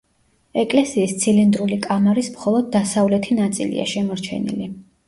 ეკლესიის ცილინდრული კამარის მხოლოდ დასავლეთი ნაწილია შემორჩენილი.